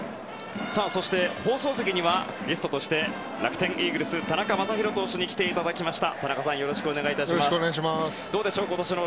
放送席にはゲストとして楽天イーグルス田中将大投手に来ていただきました。